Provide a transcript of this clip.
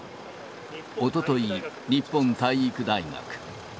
おととい、日本体育大学。